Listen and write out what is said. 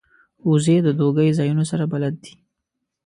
وزې د دوږی ځایونو سره بلد دي